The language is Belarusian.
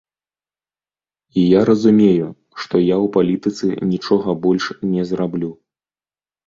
І я разумею, што я ў палітыцы нічога больш не зраблю.